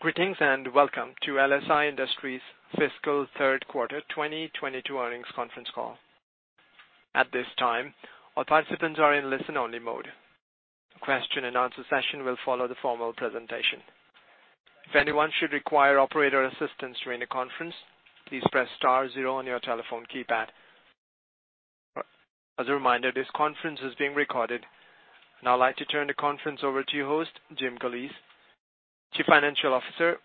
Greetings, and welcome to LSI Industries' Fiscal Third Quarter 2022 Earnings Conference Call. At this time, all participants are in listen-only mode. A question and answer session will follow the formal presentation. If anyone should require operator assistance during the conference, please press star zero on your telephone keypad. As a reminder, this conference is being recorded. I'd now like to turn the conference over to your host, Jim Galeese, Chief Financial Officer,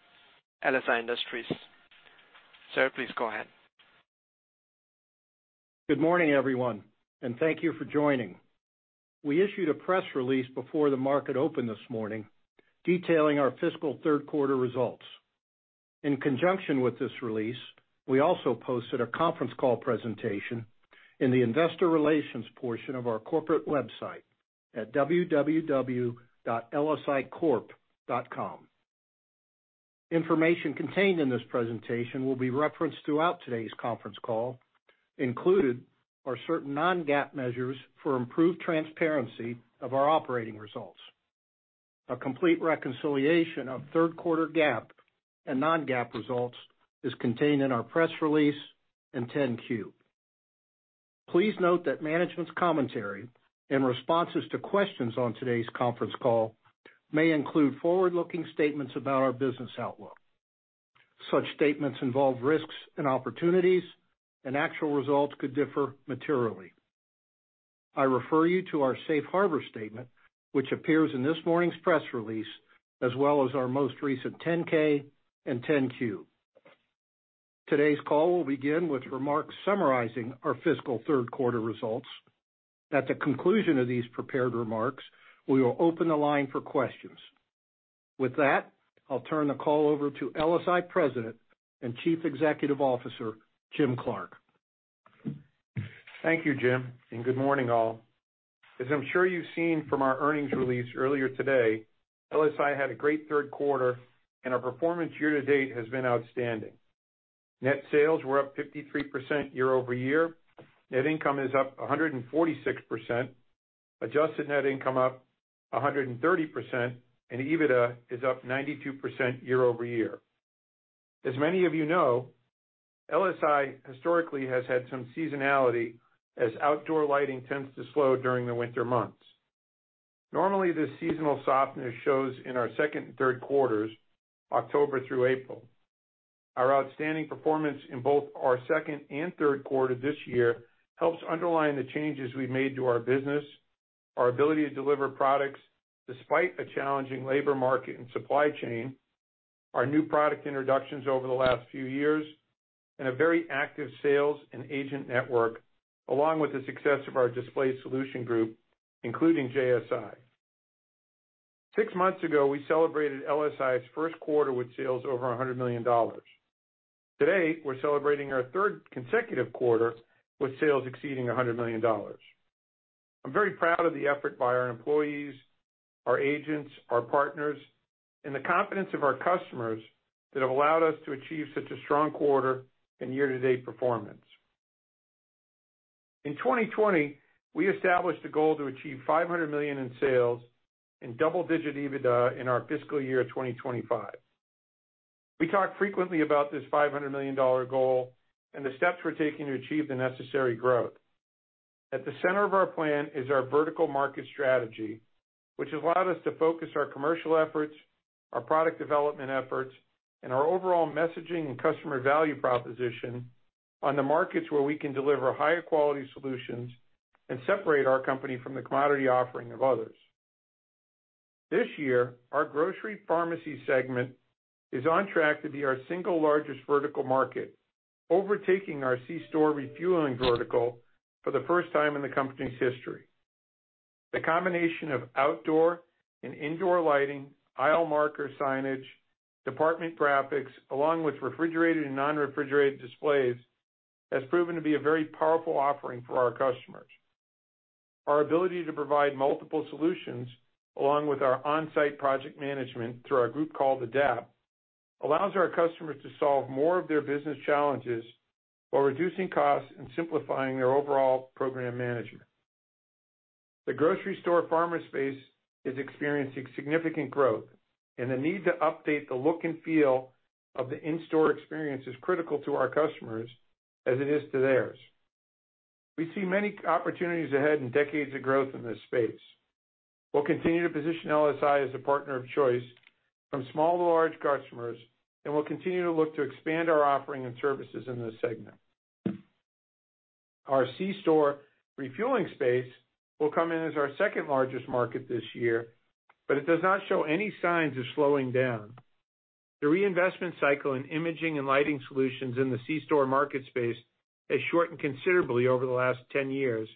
LSI Industries. Sir, please go ahead. Good morning, everyone, and thank you for joining. We issued a press release before the market opened this morning detailing our Fiscal Third Quarter results. In conjunction with this release, we also posted a conference call presentation in the investor relations portion of our corporate website at www.lsicorp.com. Information contained in this presentation will be referenced throughout today's conference call. Included are certain non-GAAP measures for improved transparency of our operating results. A complete reconciliation of third quarter GAAP and non-GAAP results is contained in our press release and 10-Q. Please note that management's commentary and responses to questions on today's conference call may include forward-looking statements about our business outlook. Such statements involve risks and opportunities, and actual results could differ materially. I refer you to our safe harbor statement, which appears in this morning's press release, as well as our most recent 10-K and 10-Q. Today's call will begin with remarks summarizing our Fiscal Third Quarter results. At the conclusion of these prepared remarks, we will open the line for questions. With that, I'll turn the call over to LSI President and Chief Executive Officer, Jim Clark. Thank you, Jim, and good morning, all. As I'm sure you've seen from our earnings release earlier today, LSI had a great third quarter and our performance year to date has been outstanding. Net sales were up 53% year-over-year. Net income is up 146%. Adjusted net income up 130%, and EBITDA is up 92% year-over-year. As many of you know, LSI historically has had some seasonality as outdoor lighting tends to slow during the winter months. Normally, this seasonal softness shows in our second and third quarters, October through April. Our outstanding performance in both our second and third quarter this year helps underline the changes we made to our business, our ability to deliver products despite a challenging labor market and supply chain, our new product introductions over the last few years, and a very active sales and agent network, along with the success of our display solution group, including JSI. Six months ago, we celebrated LSI's first quarter with sales over $100 million. Today, we're celebrating our third consecutive quarter with sales exceeding $100 million. I'm very proud of the effort by our employees, our agents, our partners, and the confidence of our customers that have allowed us to achieve such a strong quarter and year-to-date performance. In 2020, we established a goal to achieve $500 million in sales and double-digit EBITDA in our fiscal year 2025. We talk frequently about this $500 million goal and the steps we're taking to achieve the necessary growth. At the center of our plan is our vertical market strategy, which has allowed us to focus our commercial efforts, our product development efforts, and our overall messaging and customer value proposition on the markets where we can deliver higher quality solutions and separate our company from the commodity offering of others. This year, our grocery pharmacy segment is on track to be our single largest vertical market, overtaking our C-store refueling vertical for the first time in the company's history. The combination of outdoor and indoor lighting, aisle marker signage, department graphics, along with refrigerated and non-refrigerated displays, has proven to be a very powerful offering for our customers. Our ability to provide multiple solutions, along with our on-site project management through our group called ADAPT, allows our customers to solve more of their business challenges while reducing costs and simplifying their overall program management. The grocery store pharma space is experiencing significant growth, and the need to update the look and feel of the in-store experience is critical to our customers as it is to theirs. We see many opportunities ahead and decades of growth in this space. We'll continue to position LSI as a partner of choice from small to large customers, and we'll continue to look to expand our offering and services in this segment. Our C-store refueling space will come in as our second largest market this year, but it does not show any signs of slowing down. The reinvestment cycle in imaging and lighting solutions in the C-store market space has shortened considerably over the last 10 years,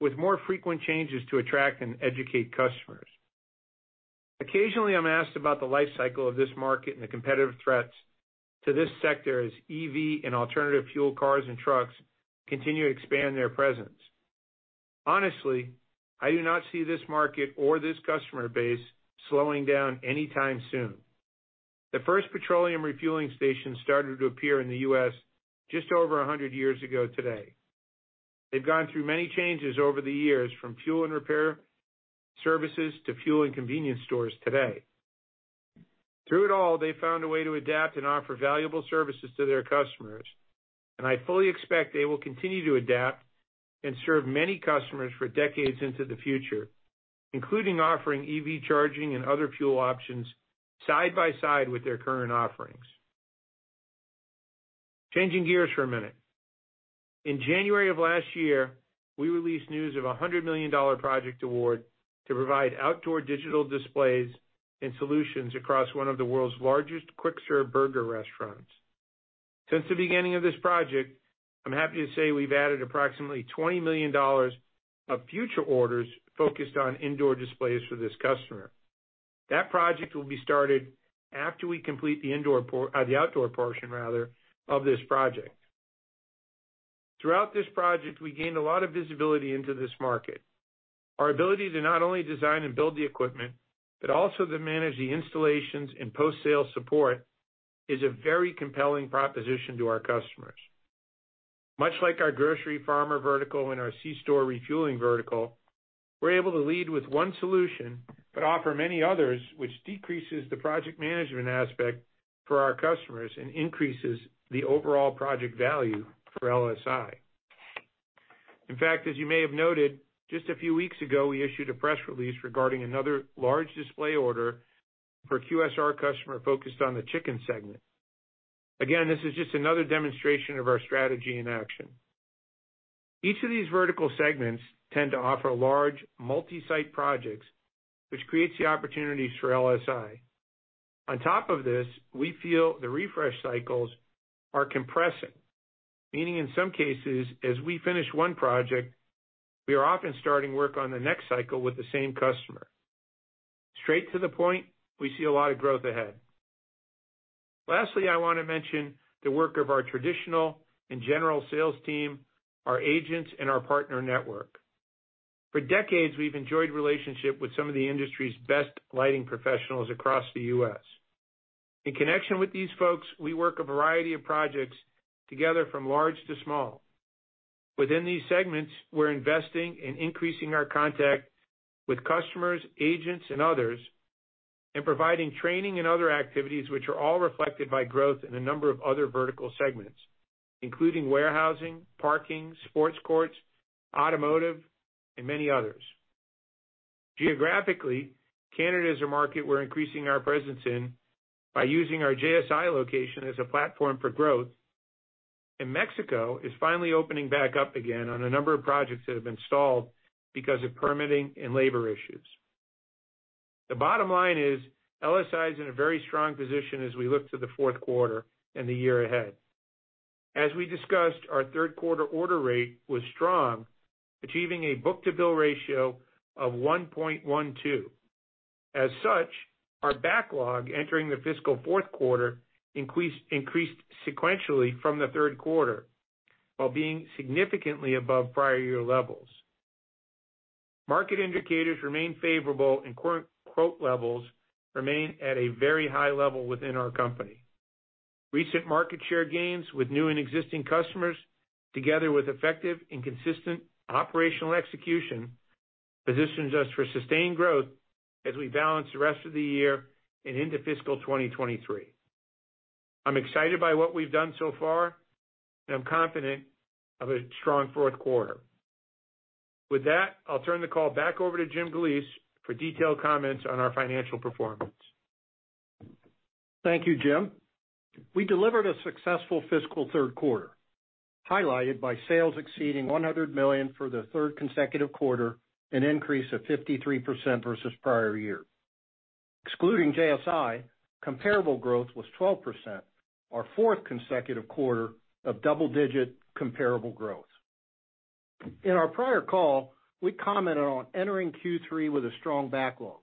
with more frequent changes to attract and educate customers. Occasionally, I'm asked about the life cycle of this market and the competitive threats to this sector as EV and alternative fuel cars and trucks continue to expand their presence. Honestly, I do not see this market or this customer base slowing down anytime soon. The first petroleum refueling station started to appear in the U.S. just over 100 years ago today. They've gone through many changes over the years from fuel and repair services to fuel and convenience stores today. Through it all, they found a way to adapt and offer valuable services to their customers, and I fully expect they will continue to adapt and serve many customers for decades into the future, including offering EV charging and other fuel options side by side with their current offerings. Changing gears for a minute. In January of last year, we released news of a $100 million project award to provide outdoor digital displays and solutions across one of the world's largest quick serve burger restaurants. Since the beginning of this project, I'm happy to say we've added approximately $20 million of future orders focused on indoor displays for this customer. That project will be started after we complete the outdoor portion rather, of this project. Throughout this project, we gained a lot of visibility into this market. Our ability to not only design and build the equipment, but also to manage the installations and post-sale support, is a very compelling proposition to our customers. Much like our grocery pharma vertical and our C-store refueling vertical, we're able to lead with one solution but offer many others, which decreases the project management aspect for our customers and increases the overall project value for LSI. In fact, as you may have noted, just a few weeks ago, we issued a press release regarding another large display order for QSR customer focused on the chicken segment. Again, this is just another demonstration of our strategy in action. Each of these vertical segments tend to offer large multi-site projects, which creates the opportunities for LSI. On top of this, we feel the refresh cycles are compressing. Meaning in some cases, as we finish one project, we are often starting work on the next cycle with the same customer. Straight to the point, we see a lot of growth ahead. Lastly, I wanna mention the work of our traditional and general sales team, our agents and our partner network. For decades, we've enjoyed relationship with some of the industry's best lighting professionals across the U.S. In connection with these folks, we work a variety of projects together from large to small. Within these segments, we're investing in increasing our contact with customers, agents and others, and providing training and other activities which are all reflected by growth in a number of other vertical segments, including warehousing, parking, sports courts, automotive, and many others. Geographically, Canada is a market we're increasing our presence in by using our JSI location as a platform for growth, and Mexico is finally opening back up again on a number of projects that have been stalled because of permitting and labor issues. The bottom line is LSI is in a very strong position as we look to the fourth quarter and the year ahead. As we discussed, our third quarter order rate was strong, achieving a book-to-bill ratio of 1.12. As such, our backlog entering the fiscal fourth quarter increased sequentially from the third quarter, while being significantly above prior year levels. Market indicators remain favorable and quote levels remain at a very high level within our company. Recent market share gains with new and existing customers, together with effective and consistent operational execution, positions us for sustained growth as we balance the rest of the year and into fiscal 2023. I'm excited by what we've done so far, and I'm confident of a strong fourth quarter. With that, I'll turn the call back over to Jim Galeese for detailed comments on our financial performance. Thank you, Jim. We delivered a successful Fiscal Third Quarter, highlighted by sales exceeding $100 million for the third consecutive quarter, an increase of 53% versus prior year. Excluding JSI, comparable growth was 12%, our fourth consecutive quarter of double-digit comparable growth. In our prior call, we commented on entering Q3 with a strong backlog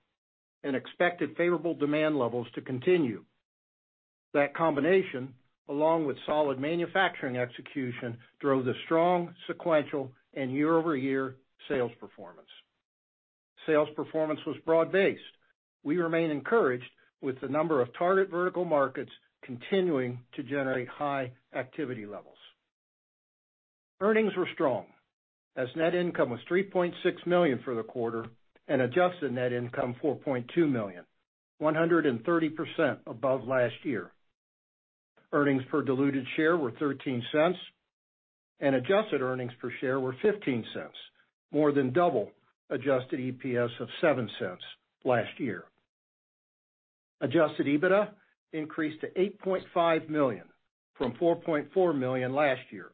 and expected favorable demand levels to continue. That combination, along with solid manufacturing execution, drove the strong sequential and year-over-year sales performance. Sales performance was broad-based. We remain encouraged with the number of target vertical markets continuing to generate high activity levels. Earnings were strong as net income was $3.6 million for the quarter and adjusted net income $4.2 million, 130% above last year. Earnings per diluted share were $0.13, and adjusted earnings per share were $0.15, more than double adjusted EPS of $0.07 last year. Adjusted EBITDA increased to $8.5 million from $4.4 million last year.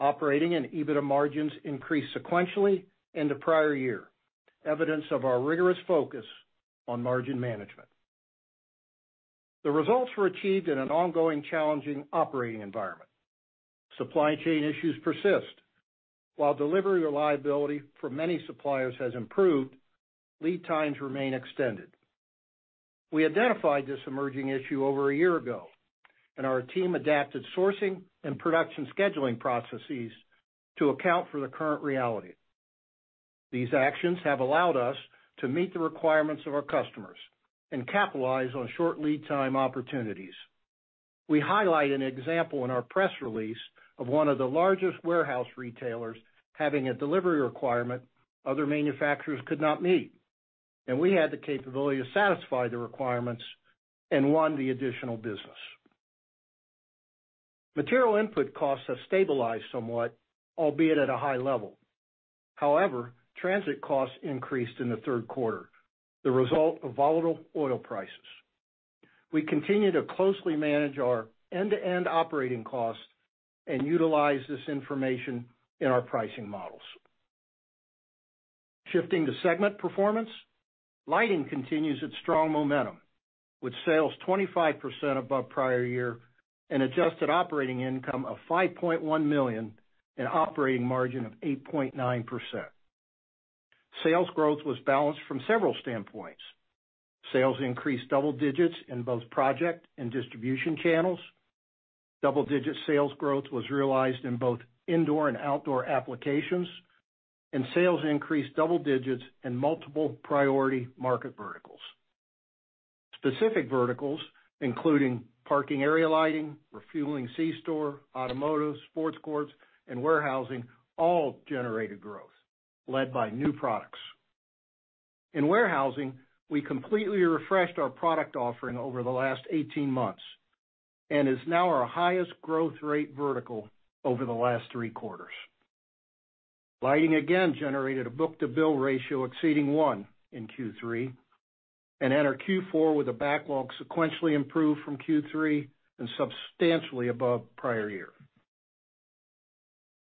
Operating and EBITDA margins increased sequentially in the prior year, evidence of our rigorous focus on margin management. The results were achieved in an ongoing challenging operating environment. Supply chain issues persist. While delivery reliability for many suppliers has improved, lead times remain extended. We identified this emerging issue over a year ago, and our team adapted sourcing and production scheduling processes to account for the current reality. These actions have allowed us to meet the requirements of our customers and capitalize on short lead time opportunities. We highlight an example in our press release of one of the largest warehouse retailers having a delivery requirement other manufacturers could not meet, and we had the capability to satisfy the requirements and won the additional business. Material input costs have stabilized somewhat, albeit at a high level. However, transit costs increased in the third quarter, the result of volatile oil prices. We continue to closely manage our end-to-end operating costs and utilize this information in our pricing models. Shifting to segment performance. Lighting continues its strong momentum, with sales 25% above prior year and adjusted operating income of $5.1 million and operating margin of 8.9%. Sales growth was balanced from several standpoints. Sales increased double digits in both project and distribution channels. Double-digit sales growth was realized in both indoor and outdoor applications, and sales increased double digits in multiple priority market verticals. Specific verticals, including parking area lighting, refueling C-store, automotive, sports courts, and warehousing all generated growth, led by new products. In warehousing, we completely refreshed our product offering over the last 18 months and is now our highest growth rate vertical over the last three quarters. Lighting again generated a book-to-bill ratio exceeding one in Q3 and entering Q4 with a backlog sequentially improved from Q3 and substantially above prior year.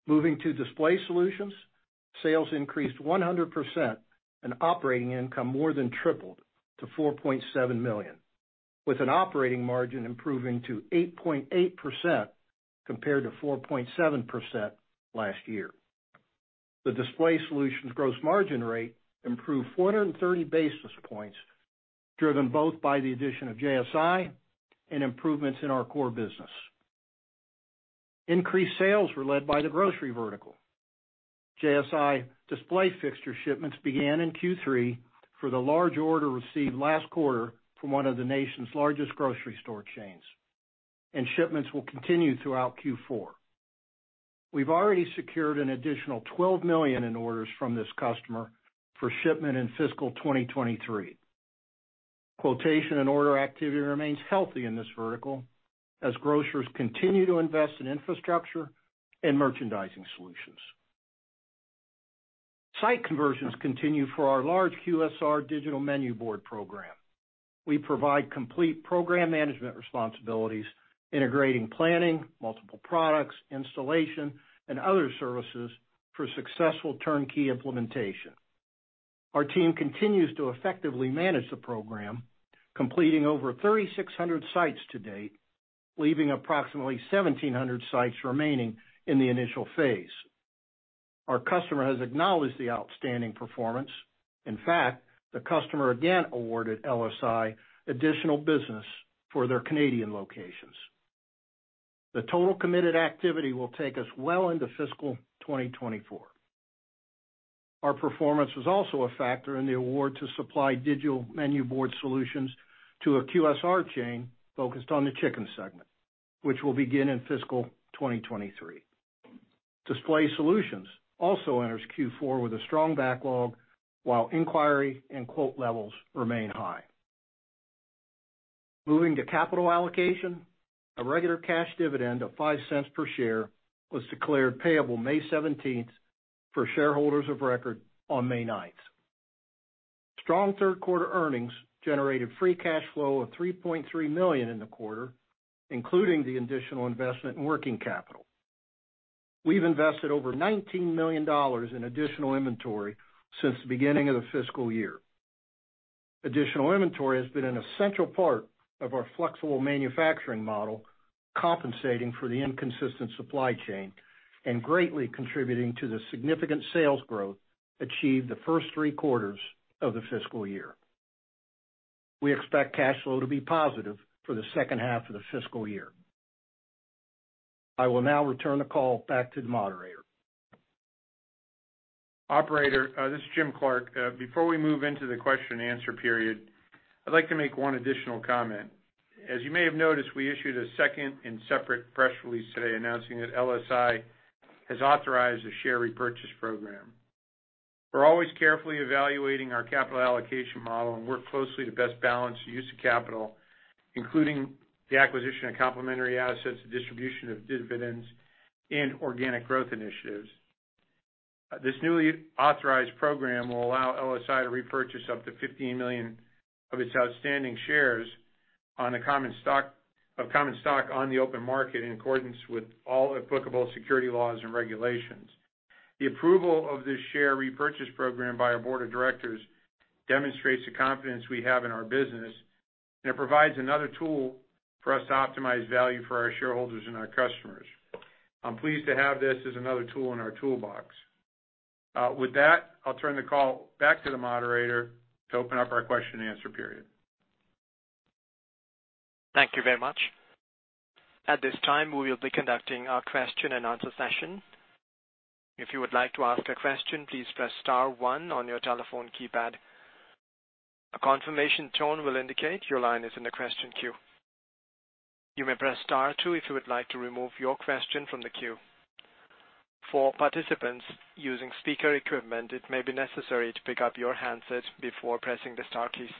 Moving to display solutions. Sales increased 100% and operating income more than tripled to $4.7 million, with an operating margin improving to 8.8% compared to 4.7% last year. The display solutions gross margin rate improved 430 basis points, driven both by the addition of JSI and improvements in our core business. Increased sales were led by the grocery vertical. JSI display fixture shipments began in Q3 for the large order received last quarter from one of the nation's largest grocery store chains, and shipments will continue throughout Q4. We've already secured an additional $12 million in orders from this customer for shipment in fiscal 2023. Quotation and order activity remains healthy in this vertical as grocers continue to invest in infrastructure and merchandising solutions. Site conversions continue for our large QSR digital menu board program. We provide complete program management responsibilities, integrating planning, multiple products, installation, and other services for successful turnkey implementation. Our team continues to effectively manage the program, completing over 3,600 sites to date, leaving approximately 1,700 sites remaining in the initial phase. Our customer has acknowledged the outstanding performance. In fact, the customer again awarded LSI additional business for their Canadian locations. The total committed activity will take us well into fiscal 2024. Our performance was also a factor in the award to supply digital menu board solutions to a QSR chain focused on the chicken segment, which will begin in fiscal 2023. Display solutions also enters Q4 with a strong backlog while inquiry and quote levels remain high. Moving to capital allocation. A regular cash dividend of $0.05 per share was declared payable May 17th for shareholders of record on May 9th. Strong third quarter earnings generated free cash flow of $3.3 million in the quarter, including the additional investment in working capital. We've invested over $19 million in additional inventory since the beginning of the fiscal year. Additional inventory has been an essential part of our flexible manufacturing model, compensating for the inconsistent supply chain and greatly contributing to the significant sales growth achieved the first three quarters of the fiscal year. We expect cash flow to be positive for the second half of the fiscal year. I will now return the call back to the moderator. Operator, this is Jim Clark. Before we move into the question and answer period, I'd like to make one additional comment. As you may have noticed, we issued a second and separate press release today announcing that LSI has authorized a share repurchase program. We're always carefully evaluating our capital allocation model and work closely to best balance the use of capital, including the acquisition of complementary assets, the distribution of dividends, and organic growth initiatives. This newly authorized program will allow LSI to repurchase up to 15 million of its outstanding shares of common stock on the open market in accordance with all applicable security laws and regulations. The approval of this share repurchase program by our board of directors demonstrates the confidence we have in our business, and it provides another tool for us to optimize value for our shareholders and our customers. I'm pleased to have this as another tool in our toolbox. With that, I'll turn the call back to the moderator to open up our question and answer period. Thank you very much. At this time, we will be conducting our question and answer session. If you would like to ask a question, please press star one on your telephone keypad. A confirmation tone will indicate your line is in the question queue. You may press star two if you would like to remove your question from the queue. For participants using speaker equipment, it may be necessary to pick up your handsets before pressing the star keys.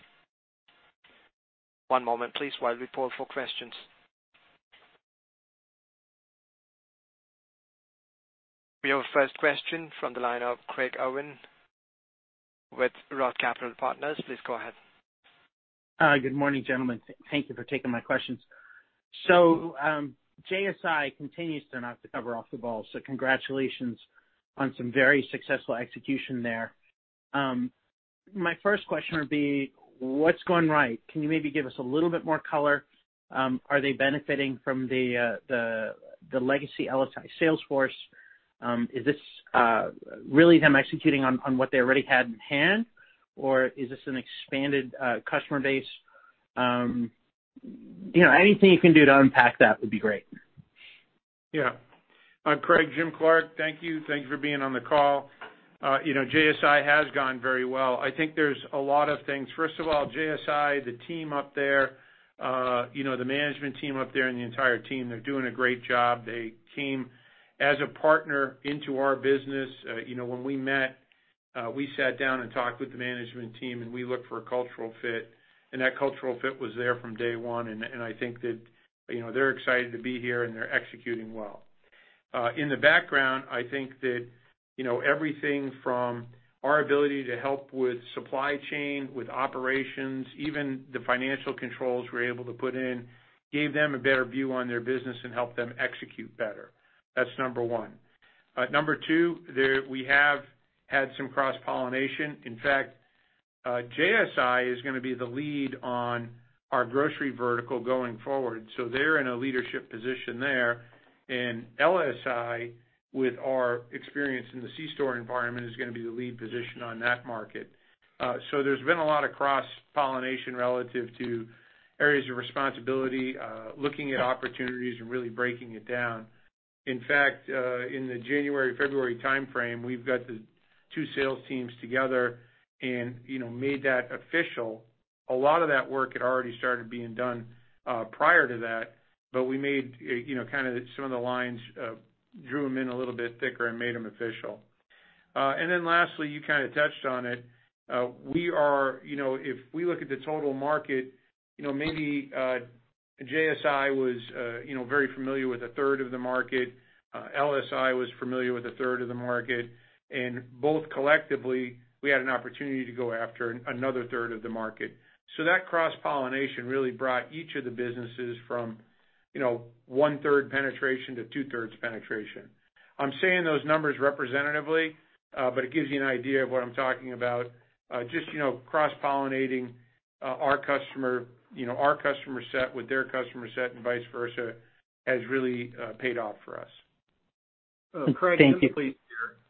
One moment please while we poll for questions. We have our first question from the line of Craig Irwin with Roth Capital Partners. Please go ahead. Hi. Good morning, gentlemen. Thank you for taking my questions. JSI continues to knock the cover off the ball, so congratulations on some very successful execution there. My first question would be, what's gone right? Can you maybe give us a little bit more color? Are they benefiting from the legacy LSI sales force? Is this really them executing on what they already had in hand? Or is this an expanded customer base? You know, anything you can do to unpack that would be great. Yeah. Craig, Jim Clark. Thank you. Thank you for being on the call. You know, JSI has gone very well. I think there's a lot of things. First of all, JSI, the team up there, you know, the management team up there and the entire team, they're doing a great job. They came as a partner into our business. You know, when we met, we sat down and talked with the management team, and we looked for a cultural fit, and that cultural fit was there from day one. I think that, you know, they're excited to be here, and they're executing well. In the background, I think that, you know, everything from our ability to help with supply chain, with operations, even the financial controls we're able to put in, gave them a better view on their business and helped them execute better. That's number one. Number two, we have had some cross-pollination. In fact, JSI is gonna be the lead on our grocery vertical going forward, so they're in a leadership position there. LSI, with our experience in the C-store environment, is gonna be the lead position on that market. So there's been a lot of cross-pollination relative to areas of responsibility, looking at opportunities and really breaking it down. In fact, in the January, February timeframe, we've got the two sales teams together and, you know, made that official. A lot of that work had already started being done, prior to that, but we made, you know, kind of some of the lines, drew them in a little bit thicker and made them official. Then lastly, you kinda touched on it. You know, if we look at the total market, you know, maybe JSI was, you know, very familiar with 1/3 of the market. LSI was familiar with 1/3 of the market. Both collectively, we had an opportunity to go after another 1/3 of the market. That cross-pollination really brought each of the businesses from, you know, 1/3 penetration to 2/3 penetration. I'm saying those numbers representative, but it gives you an idea of what I'm talking about. Just, you know, cross-pollinating our customer. You know, our customer set with their customer set and vice versa has really paid off for us. Thank you. Craig, Jim Galeese.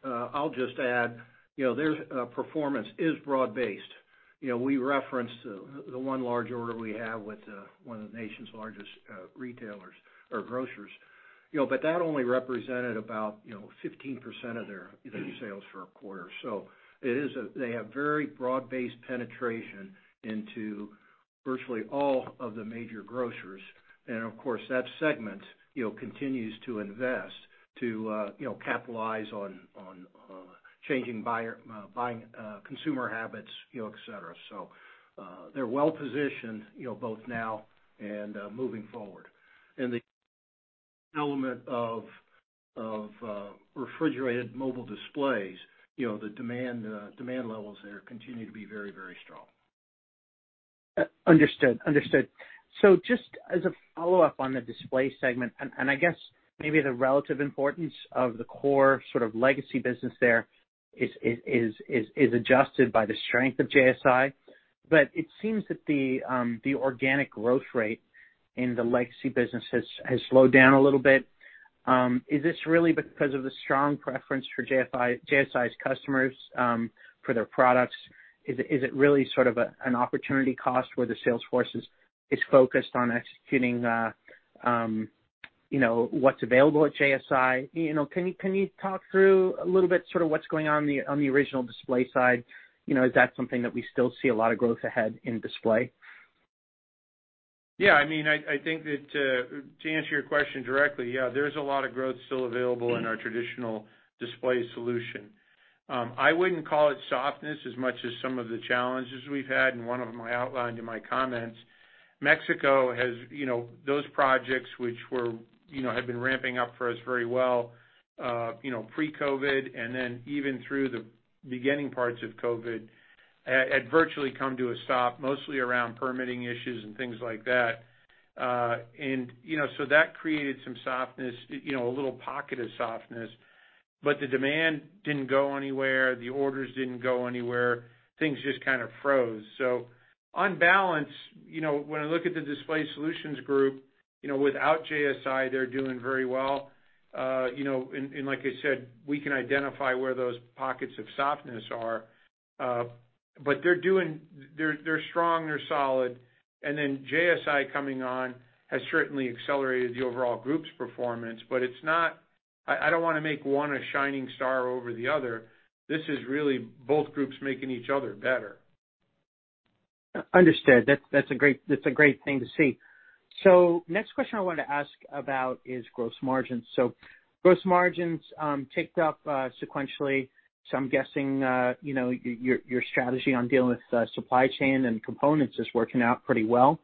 I'll just add, you know, their performance is broad-based. You know, we referenced the one large order we have with one of the nation's largest retailers or grocers. You know, but that only represented about, you know, 15% of their sales for a quarter. It is. They have very broad-based penetration into virtually all of the major grocers. Of course, that segment, you know, continues to invest to, you know, capitalize on changing buyer buying consumer habits, you know, et cetera. They're well positioned, you know, both now and moving forward. The element of refrigerated mobile displays, you know, the demand levels there continue to be very, very strong. Understood. Just as a follow-up on the display segment, and I guess maybe the relative importance of the core sort of legacy business there is adjusted by the strength of JSI. It seems that the organic growth rate in the legacy business has slowed down a little bit. Is this really because of the strong preference for JSI's customers for their products? Is it really sort of an opportunity cost where the sales force is focused on executing, you know, what's available at JSI? You know, can you talk through a little bit sort of what's going on the original display side? You know, is that something that we still see a lot of growth ahead in display? Yeah. I mean, I think that to answer your question directly, yeah, there is a lot of growth still available in our traditional display solution. I wouldn't call it softness as much as some of the challenges we've had, and one of them I outlined in my comments. Mexico has. You know, those projects which were, you know, had been ramping up for us very well, you know, pre-COVID and then even through the beginning parts of COVID, had virtually come to a stop, mostly around permitting issues and things like that. And you know, so that created some softness, you know, a little pocket of softness. But the demand didn't go anywhere. The orders didn't go anywhere. Things just kind of froze. On balance, you know, when I look at the Display Solutions Group. You know, without JSI, they're doing very well. You know, and like I said, we can identify where those pockets of softness are. But they're strong, they're solid. Then JSI coming on has certainly accelerated the overall group's performance. It's not. I don't wanna make one a shining star over the other. This is really both groups making each other better. Understood. That's a great thing to see. Next question I wanted to ask about is gross margins. Gross margins ticked up sequentially. I'm guessing you know your strategy on dealing with supply chain and components is working out pretty well.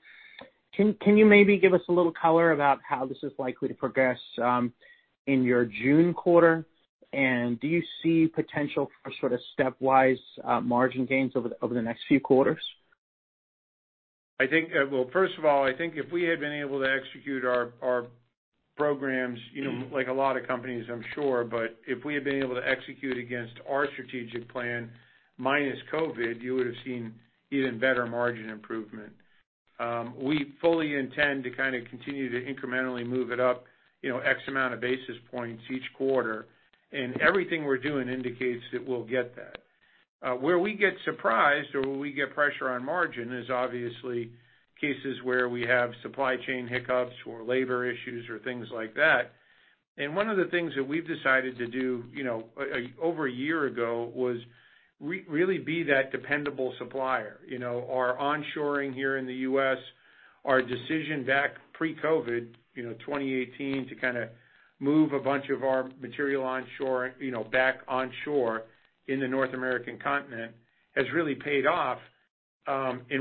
Can you maybe give us a little color about how this is likely to progress in your June quarter? Do you see potential for sort of stepwise margin gains over the next few quarters? I think, well, first of all, I think if we had been able to execute our programs, you know, like a lot of companies I'm sure, but if we had been able to execute against our strategic plan minus COVID, you would've seen even better margin improvement. We fully intend to kinda continue to incrementally move it up, you know, X amount of basis points each quarter. Everything we're doing indicates that we'll get that. Where we get surprised or where we get pressure on margin is obviously cases where we have supply chain hiccups or labor issues or things like that. One of the things that we've decided to do, you know, over a year ago was really be that dependable supplier. You know, our onshoring here in the US, our decision back pre-COVID, you know, 2018, to kinda move a bunch of our material onshore, you know, back onshore in the North American continent, has really paid off.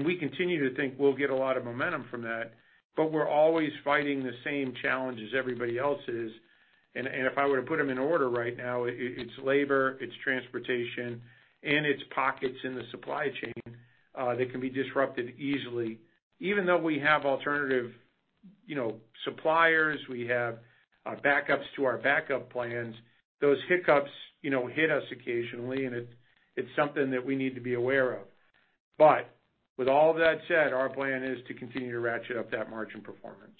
We continue to think we'll get a lot of momentum from that. But we're always fighting the same challenges everybody else is. If I were to put them in order right now, it's labor, it's transportation, and it's pockets in the supply chain that can be disrupted easily. Even though we have alternative, you know, suppliers, we have backups to our backup plans, those hiccups, you know, hit us occasionally, and it's something that we need to be aware of. But with all of that said, our plan is to continue to ratchet up that margin performance.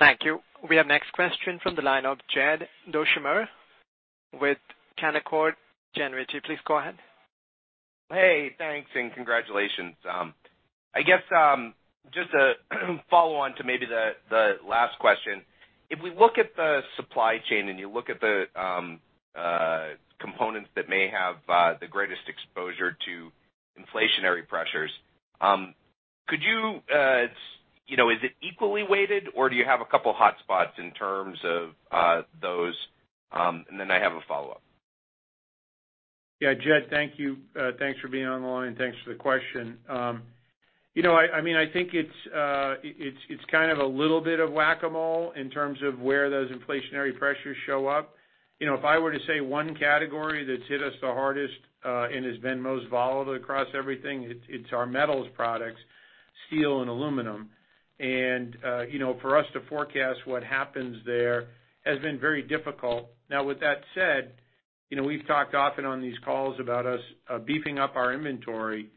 Thank you. We have next question from the line of Jed Dorsheimer with Canaccord Genuity. Please go ahead. Hey, thanks, and congratulations. I guess just to follow on to maybe the last question. If we look at the supply chain, and you look at the components that may have the greatest exposure to inflationary pressures, could you know, is it equally weighted, or do you have a couple hotspots in terms of those? I have a follow-up. Yeah, Jed, thank you. Thanks for being on the line. Thanks for the question. You know, I mean, I think it's kind of a little bit of Whac-A-Mole in terms of where those inflationary pressures show up. You know, if I were to say one category that's hit us the hardest and has been most volatile across everything, it's our metals products, steel and aluminum. You know, for us to forecast what happens there has been very difficult. Now, with that said, you know, we've talked often on these calls about us beefing up our inventory,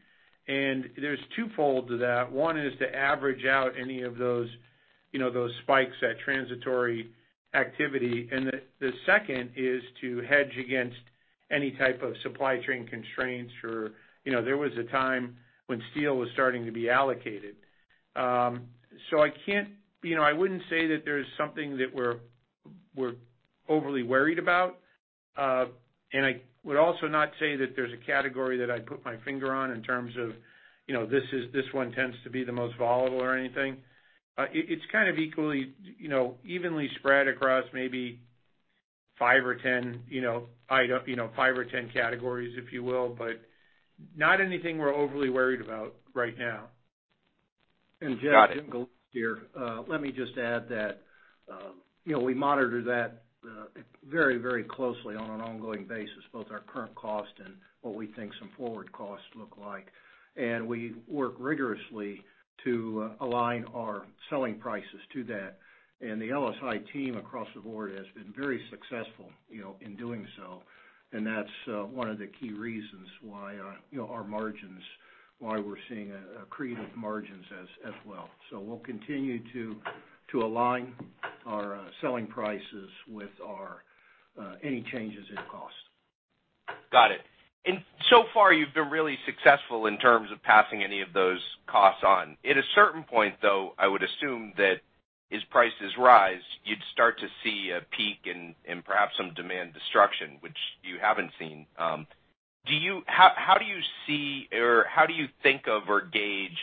and there's twofold to that. One is to average out any of those spikes of transitory activity. The second is to hedge against any type of supply chain constraints or, you know, there was a time when steel was starting to be allocated. I can't, you know, I wouldn't say that there's something that we're overly worried about. I would also not say that there's a category that I'd put my finger on in terms of, you know, this one tends to be the most volatile or anything. It's kind of equally, you know, evenly spread across maybe five or 10, you know, item, you know, five or 10 categories, if you will, but not anything we're overly worried about right now. Got it. Jed, Jim Galeese here. Let me just add that, you know, we monitor that very, very closely on an ongoing basis, both our current cost and what we think some forward costs look like. We work rigorously to align our selling prices to that. The LSI team across the board has been very successful, you know, in doing so. That's one of the key reasons why, you know, our margins, why we're seeing accretive margins as well. We'll continue to align our selling prices with our any changes in cost. Got it. So far, you've been really successful in terms of passing any of those costs on. At a certain point, though, I would assume that as prices rise, you'd start to see a peak and perhaps some demand destruction, which you haven't seen. How do you see, or how do you think of or gauge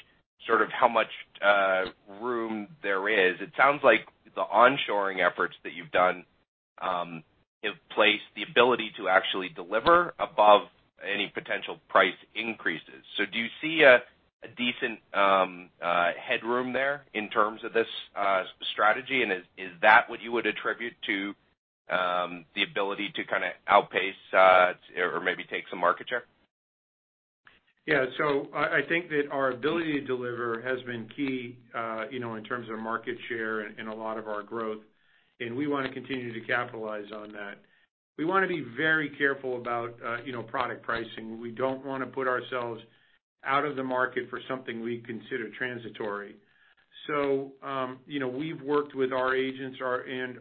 sort of how much room there is? It sounds like the onshoring efforts that you've done have placed the ability to actually deliver above any potential price increases. Do you see a decent headroom there in terms of this strategy? Is that what you would attribute to the ability to kinda outpace, or maybe take some market share? Yeah. I think that our ability to deliver has been key, you know, in terms of market share and a lot of our growth, and we wanna continue to capitalize on that. We wanna be very careful about, you know, product pricing. We don't wanna put ourselves out of the market for something we consider transitory. You know, we've worked with our agents and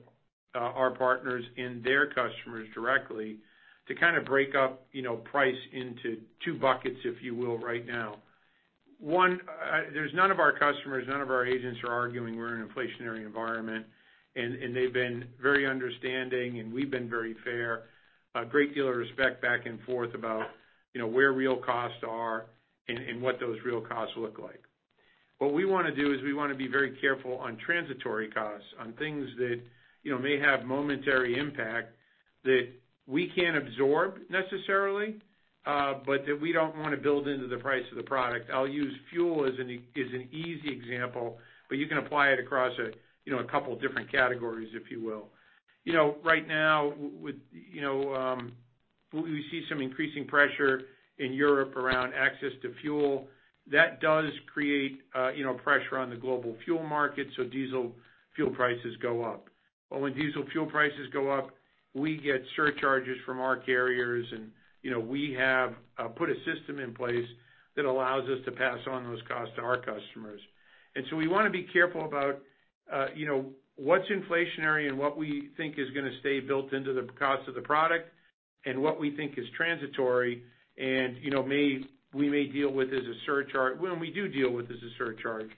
our partners and their customers directly to kind of break up, you know, price into two buckets, if you will, right now. One, there's none of our customers, none of our agents are arguing we're in an inflationary environment, and they've been very understanding, and we've been very fair. A great deal of respect back and forth about, you know, where real costs are and what those real costs look like. What we wanna do is we wanna be very careful on transitory costs, on things that, you know, may have momentary impact that we can't absorb necessarily, but that we don't wanna build into the price of the product. I'll use fuel as an easy example, but you can apply it across a, you know, a couple different categories, if you will. You know, right now with, you know, we see some increasing pressure in Europe around access to fuel. That does create, you know, pressure on the global fuel market, so diesel fuel prices go up. But when diesel fuel prices go up, we get surcharges from our carriers and, you know, we have put a system in place that allows us to pass on those costs to our customers. We wanna be careful about, you know, what's inflationary and what we think is gonna stay built into the cost of the product and what we think is transitory and, you know, we may deal with as a surcharge, well, and we do deal with as a surcharge,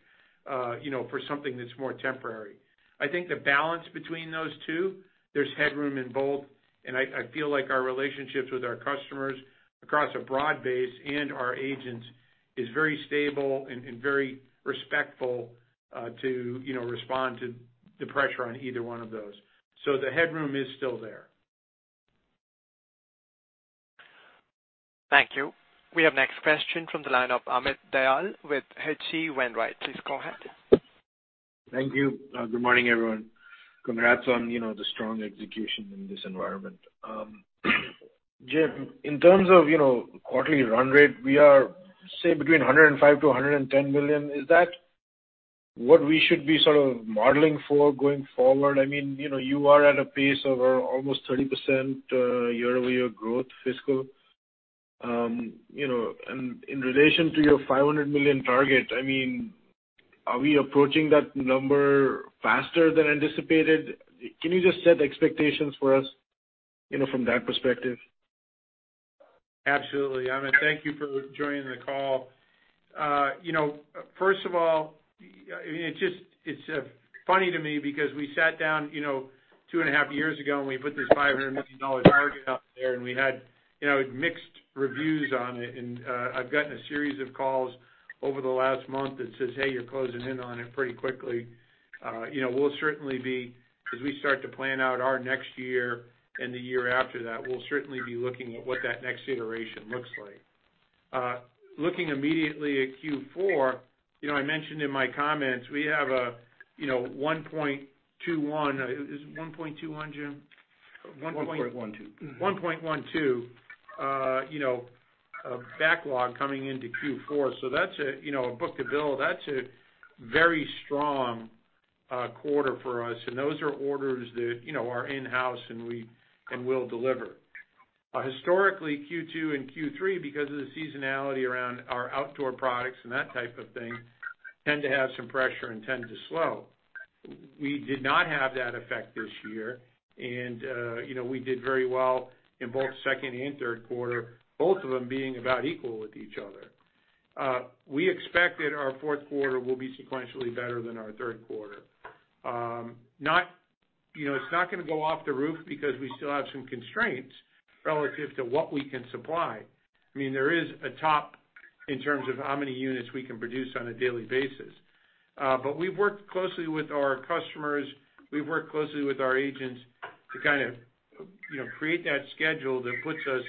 you know, for something that's more temporary. I think the balance between those two, there's headroom in both, and I feel like our relationships with our customers across a broad base and our agents is very stable and very respectful, to, you know, respond to the pressure on either one of those. The headroom is still there. Thank you. We have next question from the line of Amit Dayal with HCWainwright. Please go ahead. Thank you. Good morning, everyone. Congrats on, you know, the strong execution in this environment. Jim, in terms of, you know, quarterly run rate, we are, say, between $105 million-$110 million. Is that what we should be sort of modeling for going forward? I mean, you know, you are at a pace of almost 30% year-over-year growth fiscal. You know, in relation to your $500 million target, I mean, are we approaching that number faster than anticipated? Can you just set expectations for us, you know, from that perspective? Absolutely, Amit. Thank you for joining the call. You know, first of all, it's just funny to me because we sat down 2.5 years ago, and we put this $500 million target out there, and we had mixed reviews on it. I've gotten a series of calls over the last month that says, "Hey, you're closing in on it pretty quickly." You know, we'll certainly be, as we start to plan out our next year and the year after that, looking at what that next iteration looks like. Looking immediately at Q4, you know, I mentioned in my comments, we have 1.21. Is it 1.21, Jim? 1.12. 1.12, you know, backlog coming into Q4. That's a book-to-bill. That's a very strong quarter for us, and those are orders that, you know, are in-house and we'll deliver. Historically, Q2 and Q3, because of the seasonality around our outdoor products and that type of thing, tend to have some pressure and tend to slow. We did not have that effect this year, and you know we did very well in both second and third quarter, both of them being about equal with each other. We expect that our fourth quarter will be sequentially better than our third quarter. You know, it's not gonna go off the roof because we still have some constraints relative to what we can supply. I mean, there is a top in terms of how many units we can produce on a daily basis. We've worked closely with our customers. We've worked closely with our agents to kind of, you know, create that schedule that puts us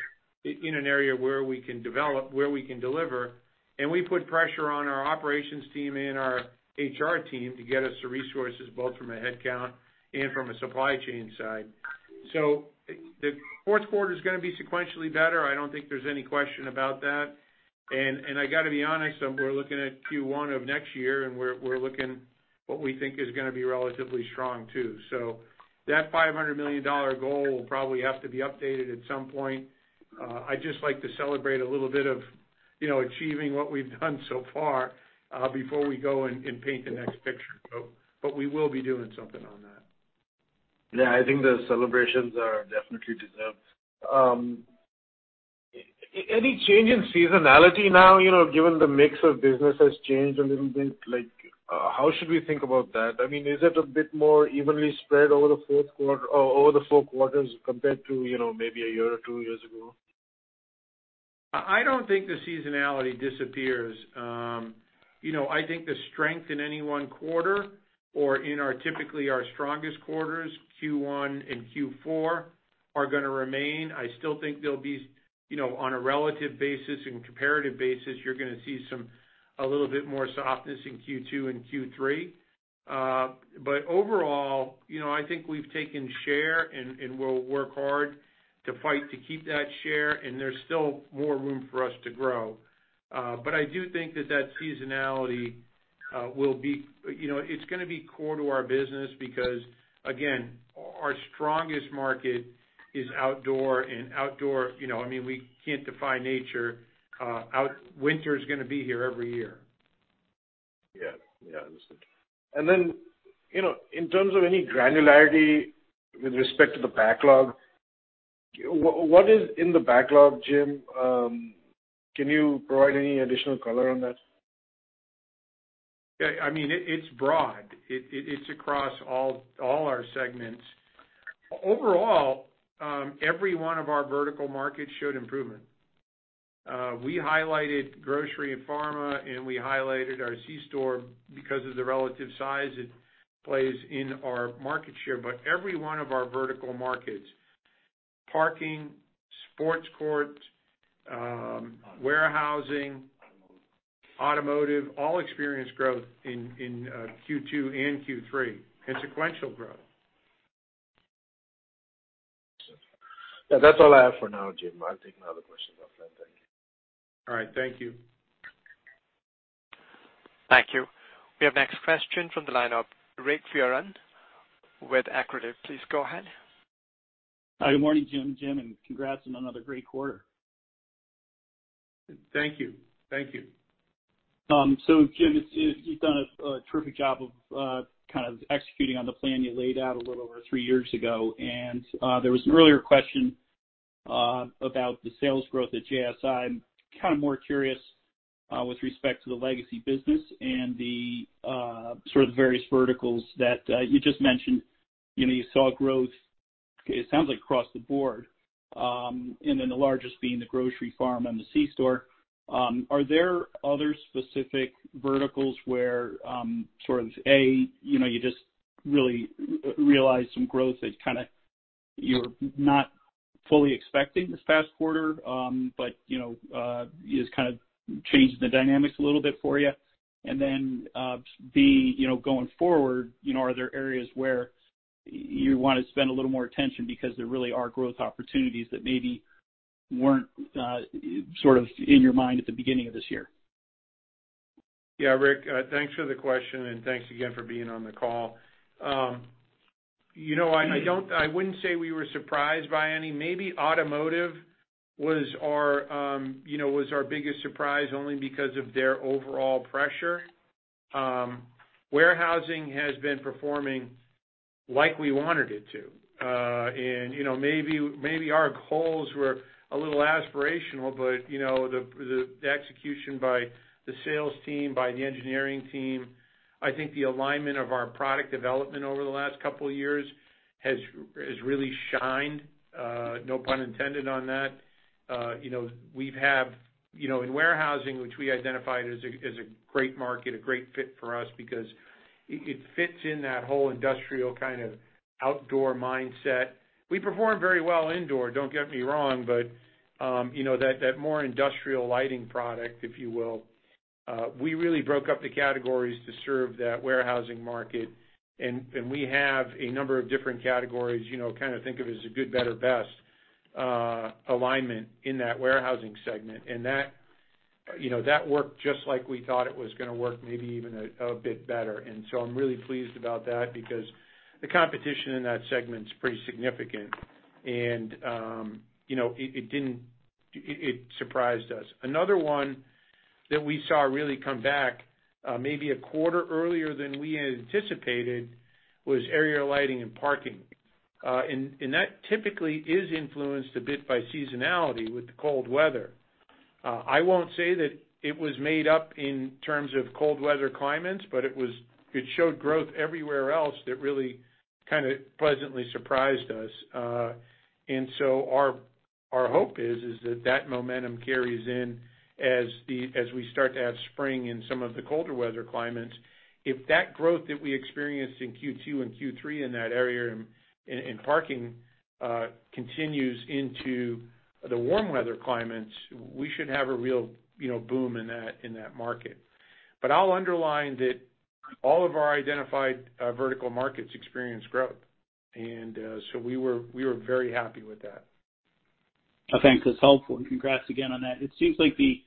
in an area where we can develop, where we can deliver, and we put pressure on our operations team and our HR team to get us the resources both from a headcount and from a supply chain side. The fourth quarter's gonna be sequentially better. I don't think there's any question about that. I gotta be honest, we're looking at Q1 of next year, and we're looking what we think is gonna be relatively strong, too. That $500 million goal will probably have to be updated at some point. I'd just like to celebrate a little bit of, you know, achieving what we've done so far, before we go and paint the next picture. We will be doing something on that. Yeah, I think the celebrations are definitely deserved. Any change in seasonality now, you know, given the mix of business has changed a little bit, like, how should we think about that? I mean, is it a bit more evenly spread over the fourth quarter or over the four quarters compared to, you know, maybe a year or two years ago? I don't think the seasonality disappears. You know, I think the strength in any one quarter or in our typical strongest quarters, Q1 and Q4, are gonna remain. I still think there'll be, you know, on a relative basis and comparative basis, you're gonna see some, a little bit more softness in Q2 and Q3. Overall, you know, I think we've taken share and we'll work hard to fight to keep that share, and there's still more room for us to grow. I do think that seasonality will be core to our business because, again, our strongest market is outdoor, you know, I mean, we can't defy nature. Winter is gonna be here every year. Yeah. Yeah, I understand. Then, you know, in terms of any granularity with respect to the backlog, what is in the backlog, Jim? Can you provide any additional color on that? Yeah, I mean, it's broad. It's across all our segments. Overall, every one of our vertical markets showed improvement. We highlighted grocery and pharma, and we highlighted our C store because of the relative size it plays in our market share. Every one of our vertical markets: parking, sports court. Automotive warehousing, automotive, all experienced growth in Q2 and Q3. Consequential growth. That's all I have for now, Jim. I'll take my other questions offline. Thank you. All right. Thank you. Thank you. We have next question from the line of Richard Fearon with Accretive. Please go ahead. Hi, good morning, Jim, and congrats on another great quarter. Thank you. Thank you. Jim, it seems you've done a terrific job of kind of executing on the plan you laid out a little over three years ago. There was an earlier question about the sales growth at JSI. I'm kind of more curious with respect to the legacy business and the sort of various verticals that you just mentioned. You know, you saw growth, it sounds like across the board, and then the largest being the grocery, pharma, and the C store. Are there other specific verticals where you know, you just really realized some growth you're not fully expecting this past quarter, but you know, is kind of changing the dynamics a little bit for you. Be, you know, going forward, you know, are there areas where you wanna spend a little more attention because there really are growth opportunities that maybe weren't sort of in your mind at the beginning of this year? Yeah. Rick, thanks for the question, and thanks again for being on the call. You know, I wouldn't say we were surprised by any. Maybe automotive was our biggest surprise only because of their overall pressure. Warehousing has been performing like we wanted it to. You know, maybe our goals were a little aspirational, but you know, the execution by the sales team, by the engineering team, I think the alignment of our product development over the last couple of years has really shined, no pun intended on that. You know, we have in warehousing, which we identified as a great market, a great fit for us because it fits in that whole industrial kind of outdoor mindset. We perform very well indoors, don't get me wrong, but, you know, that more industrial lighting product, if you will, we really broke up the categories to serve that warehousing market. We have a number of different categories, you know, kinda think of as a good, better, best, alignment in that warehousing segment. That worked just like we thought it was gonna work, maybe even a bit better. I'm really pleased about that because the competition in that segment is pretty significant. It surprised us. Another one that we saw really come back, maybe a quarter earlier than we had anticipated was area lighting and parking. That typically is influenced a bit by seasonality with the cold weather. I won't say that it was made up in terms of cold weather climates, but it showed growth everywhere else that really kinda pleasantly surprised us. Our hope is that that momentum carries in as we start to have spring in some of the colder weather climates. If that growth that we experienced in Q2 and Q3 in that area and in parking continues into the warm weather climates, we should have a real, you know, boom in that market. I'll underline that all of our identified vertical markets experienced growth. We were very happy with that. Thanks. That's helpful. Congrats again on that. It seems like the,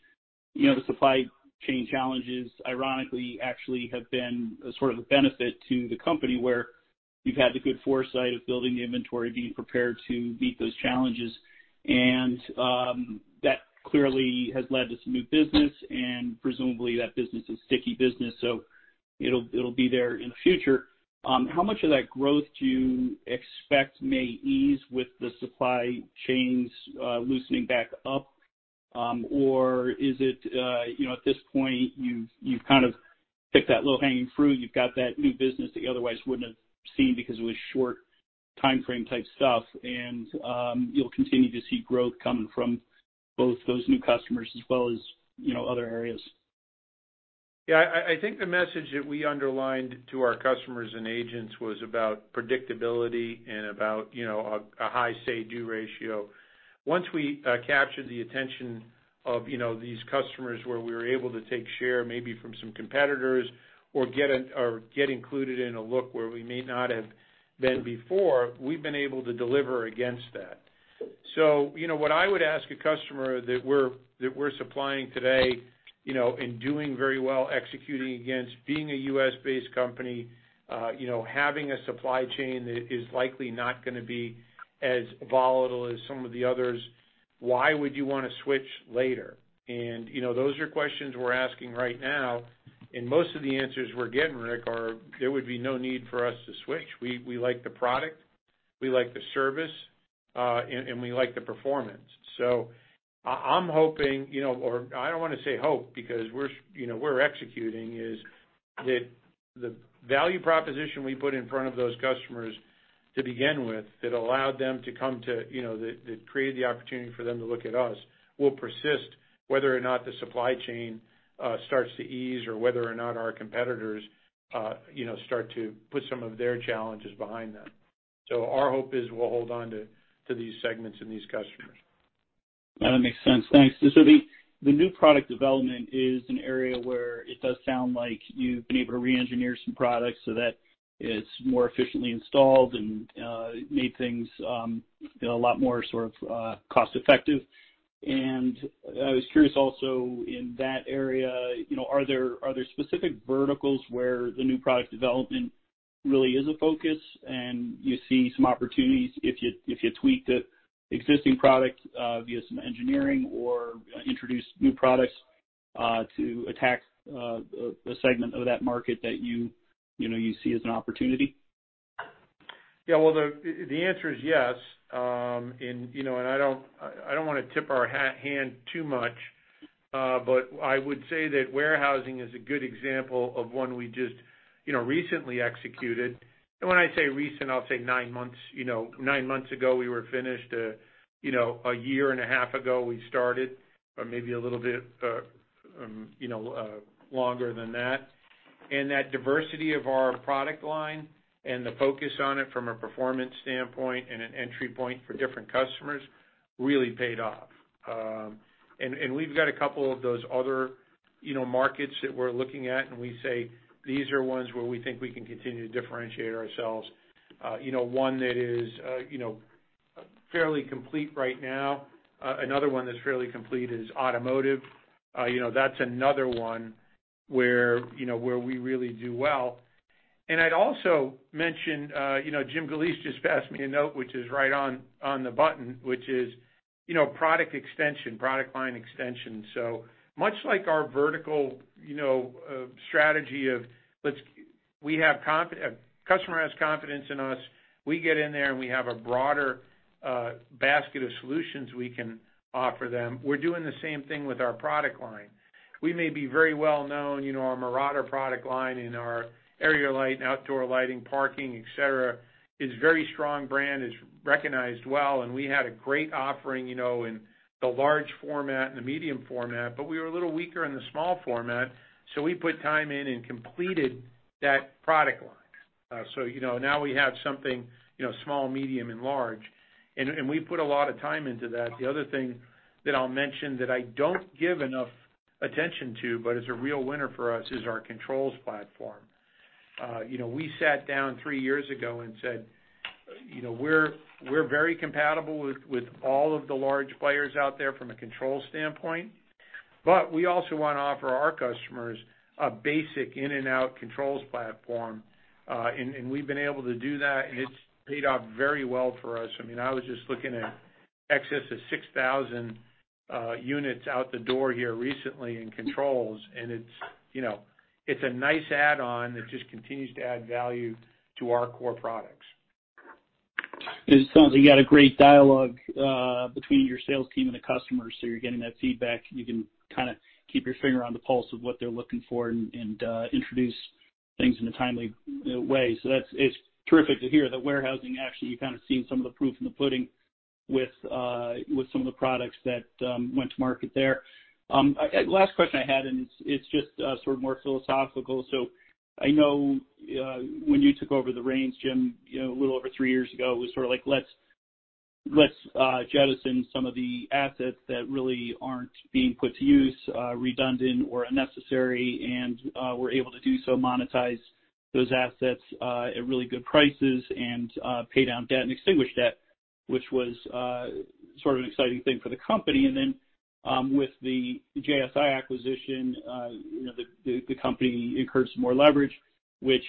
you know, the supply chain challenges, ironically, actually have been a sort of a benefit to the company where you've had the good foresight of building the inventory, being prepared to meet those challenges. That clearly has led to some new business, and presumably that business is sticky business, so it'll be there in the future. How much of that growth do you expect may ease with the supply chains loosening back up? Or is it, you know, at this point, you've kind of picked that low-hanging fruit. You've got that new business that you otherwise wouldn't have seen because it was short timeframe type stuff. You'll continue to see growth coming from both those new customers as well as, you know, other areas. Yeah. I think the message that we underlined to our customers and agents was about predictability and about, you know, a high say/do ratio. Once we captured the attention of, you know, these customers where we were able to take share maybe from some competitors or get included in a look where we may not have been before, we've been able to deliver against that. You know, what I would ask a customer that we're supplying today, you know, and doing very well executing against being a US-based company, you know, having a supply chain that is likely not gonna be as volatile as some of the others, why would you wanna switch later? You know, those are questions we're asking right now, and most of the answers we're getting, Rick, are that there would be no need for us to switch. We like the product. We like the service, and we like the performance. I'm hoping, you know, or I don't wanna say hope because we're, you know, executing, is that the value proposition we put in front of those customers to begin with that allowed them to come to, you know, that created the opportunity for them to look at us, will persist whether or not the supply chain starts to ease or whether or not our competitors, you know, start to put some of their challenges behind them. Our hope is we'll hold on to these segments and these customers. That makes sense. Thanks. The new product development is an area where it does sound like you've been able to re-engineer some products so that it's more efficiently installed and made things, you know, a lot more sort of cost-effective. I was curious also in that area, you know, are there specific verticals where the new product development really is a focus and you see some opportunities if you tweaked a existing product via some engineering or introduce new products to attack a segment of that market that you know you see as an opportunity? Well, the answer is yes. You know, I don't wanna tip our hand too much. But I would say that warehousing is a good example of one we just recently executed. When I say recent, I'll say nine months, you know. Nine months ago, we were finished. A year and a half ago, we started, or maybe a little bit longer than that. That diversity of our product line and the focus on it from a performance standpoint and an entry point for different customers really paid off. We've got a couple of those other, you know, markets that we're looking at, and we say these are ones where we think we can continue to differentiate ourselves. You know, one that is, you know, fairly complete right now, another one that's fairly complete is automotive. You know, that's another one where, you know, where we really do well. I'd also mention, you know, Jim Galeese just passed me a note, which is right on the button, which is, you know, product extension, product line extension. So much like our vertical, you know, strategy of a customer has confidence in us, we get in there, and we have a broader, basket of solutions we can offer them. We're doing the same thing with our product line. We may be very well known, you know, our Marauder product line and our area light and outdoor lighting, parking, et cetera, is a very strong brand, is recognized well, and we had a great offering, you know, in the large format and the medium format, but we were a little weaker in the small format, so we put time in and completed that product line. You know, now we have something, you know, small, medium, and large, and we put a lot of time into that. The other thing that I'll mention that I don't give enough attention to but is a real winner for us is our controls platform. You know, we sat down 3 years ago and said, you know, we're very compatible with all of the large players out there from a control standpoint, but we also wanna offer our customers a basic in and out controls platform. We've been able to do that, and it's paid off very well for us. I mean, I was just looking at in excess of 6,000 units out the door here recently in controls, and it's, you know, it's a nice add-on that just continues to add value to our core products. It sounds like you had a great dialogue between your sales team and the customers, so you're getting that feedback. You can kinda keep your finger on the pulse of what they're looking for and introduce things in a timely way. It's terrific to hear that warehousing actually, you're kind of seeing some of the proof in the pudding with some of the products that went to market there. Last question I had, and it's just sort of more philosophical. I know when you took over the reins, Jim, you know, a little over three years ago, it was sort of like, let's jettison some of the assets that really aren't being put to use, are redundant or unnecessary. We're able to do so, monetize those assets at really good prices and pay down debt and extinguish debt, which was sort of an exciting thing for the company. With the JSI acquisition, you know, the company incurs more leverage, which,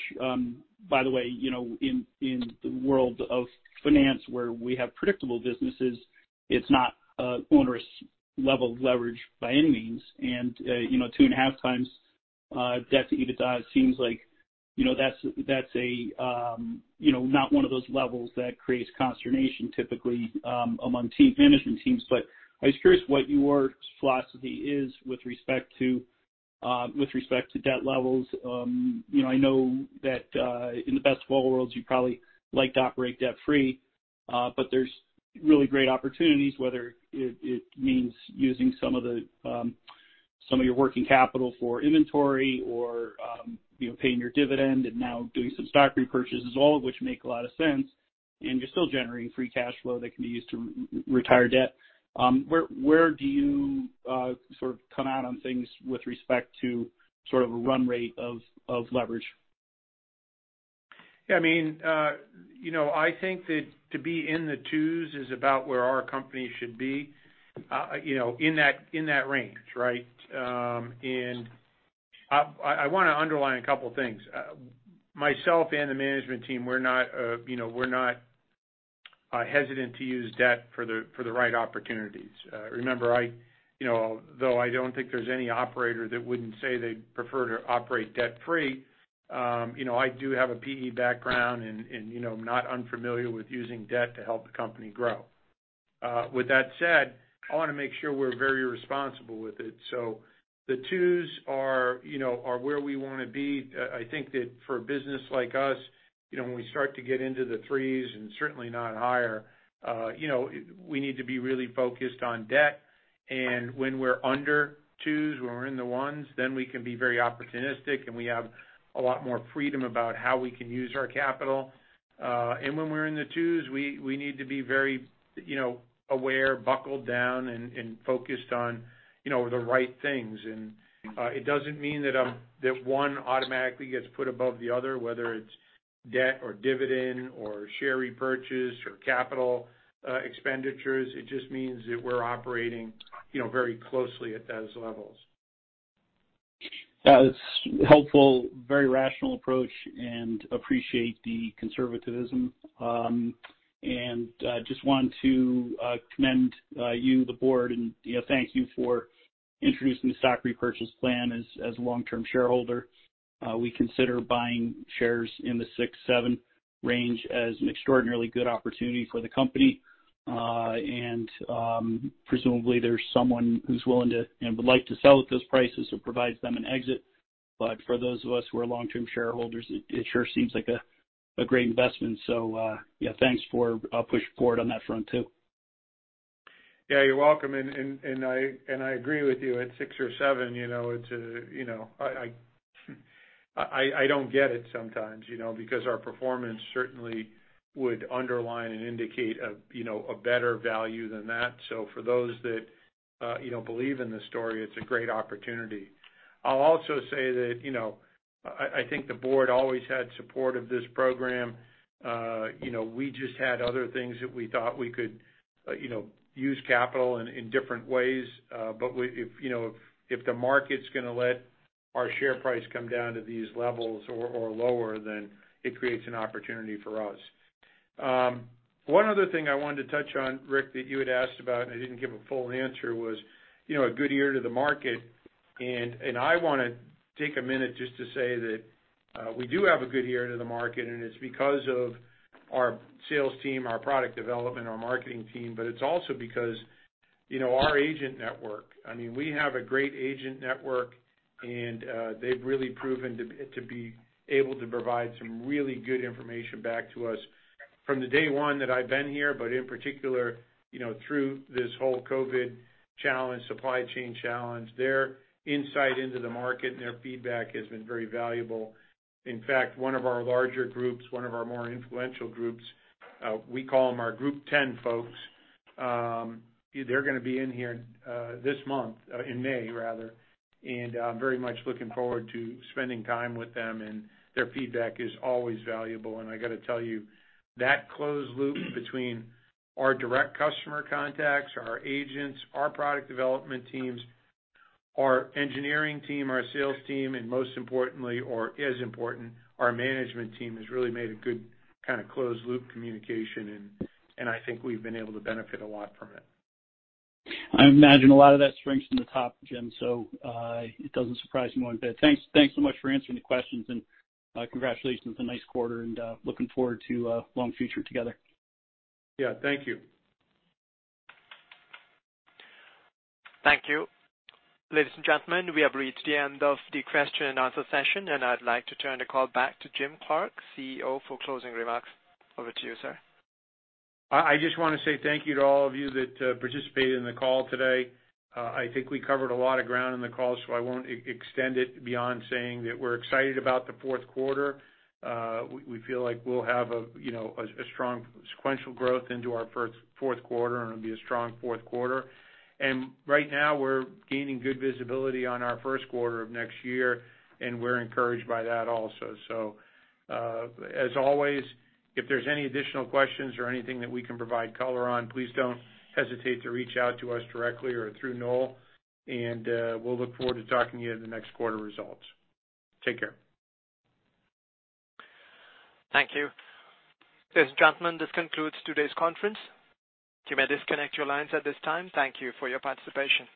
by the way, you know, in the world of finance where we have predictable businesses, it's not an onerous level of leverage by any means. You know, 2.5 times debt to EBITDA seems like, you know, that's a you know, not one of those levels that creates consternation typically among management teams. I was curious what your philosophy is with respect to debt levels. You know, I know that in the best of all worlds, you'd probably like to operate debt free, but there's really great opportunities, whether it means using some of your working capital for inventory or, you know, paying your dividend and now doing some stock repurchases, all of which make a lot of sense, and you're still generating free cash flow that can be used to retire debt. Where do you sort of come out on things with respect to sort of a run rate of leverage? Yeah, I mean, I think that to be in the twos is about where our company should be, in that range, right? I wanna underline a couple things. Myself and the management team, we're not hesitant to use debt for the right opportunities. Remember, though I don't think there's any operator that wouldn't say they'd prefer to operate debt-free, I do have a PE background and I'm not unfamiliar with using debt to help the company grow. With that said, I wanna make sure we're very responsible with it. The twos are where we wanna be. I think that for a business like us, you know, when we start to get into the 3s and certainly not higher, you know, we need to be really focused on debt. When we're under 2s, when we're in the 1s, we can be very opportunistic, and we have a lot more freedom about how we can use our capital. When we're in the 2s, we need to be very, you know, aware, buckled down, and focused on, you know, the right things. It doesn't mean that that one automatically gets put above the other, whether it's debt or dividend or share repurchase or capital expenditures. It just means that we're operating, you know, very closely at those levels. That's helpful. Very rational approach and appreciate the conservatism. I just want to commend you, the board, and you know, thank you for introducing the stock repurchase plan. As a long-term shareholder, we consider buying shares in the $6-$7 range as an extraordinarily good opportunity for the company. Presumably, there's someone who's willing to and would like to sell at those prices. It provides them an exit. For those of us who are long-term shareholders, it sure seems like a great investment. Yeah, thanks for pushing forward on that front too. Yeah, you're welcome. I agree with you. At 6 or 7, you know, it's, you know. I don't get it sometimes, you know. Because our performance certainly would underline and indicate a, you know, a better value than that. For those that, you know, believe in the story, it's a great opportunity. I'll also say that, you know, I think the board always had support of this program. You know, we just had other things that we thought we could, you know, use capital in different ways. If you know, the market's gonna let our share price come down to these levels or lower, then it creates an opportunity for us. One other thing I wanted to touch on, Rick, that you had asked about, and I didn't give a full answer, was, you know, a good ear to the market. I wanna take a minute just to say that, we do have a good ear to the market, and it's because of our sales team, our product development, our marketing team, but it's also because, you know, our agent network. I mean, we have a great agent network, and, they've really proven to be able to provide some really good information back to us. From day one that I've been here, but in particular, you know, through this whole COVID challenge, supply chain challenge, their insight into the market and their feedback has been very valuable. In fact, one of our larger groups, one of our more influential groups, we call them our group ten folks, they're gonna be in here, this month, in May rather. I'm very much looking forward to spending time with them, and their feedback is always valuable. I gotta tell you, that closed loop between our direct customer contacts, our agents, our product development teams, our engineering team, our sales team, and most importantly or as important, our management team, has really made a good kinda closed loop communication, and I think we've been able to benefit a lot from it. I imagine a lot of that strength from the top, Jim, so, it doesn't surprise me one bit. Thanks so much for answering the questions. Congratulations on the nice quarter and looking forward to a long future together. Yeah, thank you. Thank you. Ladies and gentlemen, we have reached the end of the question and answer session, and I'd like to turn the call back to Jim Clark, CEO, for closing remarks. Over to you, sir. I just wanna say thank you to all of you that participated in the call today. I think we covered a lot of ground in the call, so I won't extend it beyond saying that we're excited about the fourth quarter. We feel like we'll have, you know, a strong sequential growth into our fourth quarter, and it'll be a strong fourth quarter. Right now, we're gaining good visibility on our first quarter of next year, and we're encouraged by that also. As always, if there's any additional questions or anything that we can provide color on, please don't hesitate to reach out to us directly or through Noel, and we'll look forward to talking to you in the next quarter results. Take care. Thank you. Ladies and gentlemen, this concludes today's conference. You may disconnect your lines at this time. Thank you for your participation.